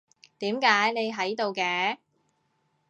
點解你喺度嘅？